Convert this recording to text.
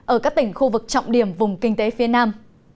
ở các tỉnh khu vực trọng điểm vùng kinh tế phía nam